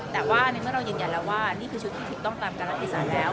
แต่ว่าในเมื่อเรายืนยันแล้วว่านี่คือชุดที่ถูกต้องตามการรัฐอิสานแล้ว